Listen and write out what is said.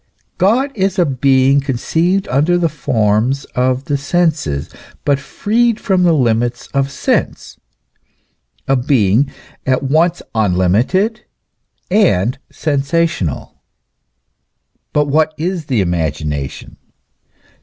* God is a being con ceived under the forms of the senses, but freed from the limits of sense, a being at once unlimited and sensational. But what is the imagination